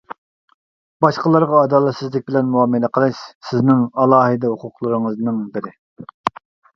باشقىلارغا ئادالەتسىزلىك بىلەن مۇئامىلە قىلىش سىزنىڭ ئالاھىدە ھوقۇقلىرىڭىزنىڭ بىرى.